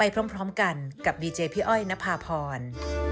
ขอบคุณค่ะพร